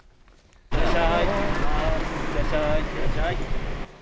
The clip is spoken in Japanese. いってらっしゃい。